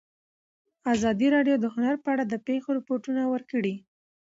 ازادي راډیو د هنر په اړه د پېښو رپوټونه ورکړي.